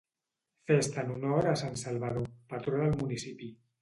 Festa en honor a Sant Salvador, patró del municipi.